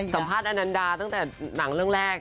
สัมภาษณ์อนันดาตั้งแต่หนังเรื่องแรก